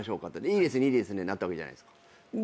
「いいですねいいですね」になったわけじゃないですか。